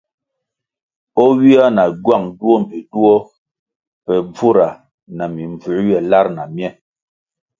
O ywia na gywang duo mbpi duo pe bvura na mimbvū ywe lar na mye.